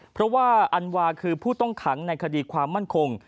เพราะว่าอันวาคือผู้ต้องขังในคดีความมั่นคง